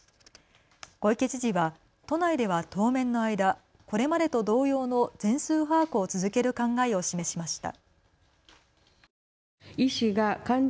小池知事は都内では当面の間これまでと同様の全数把握を続ける考えを示しました。